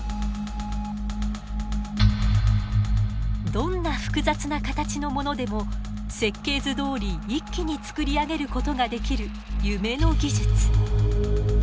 どんな複雑な形のものでも設計図どおり一気に作り上げることができる夢の技術。